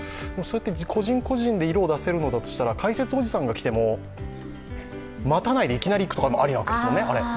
個人個人で色を出せるのだとしたら、解説おじさんが来ても待たないでいきなり行くとかもありなんですよね。